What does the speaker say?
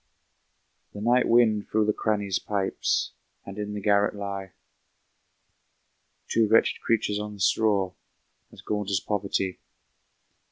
The night wind through the crannies pipes, And in the garret lie Two wretched creatures on the straw, As gaunt as poverty.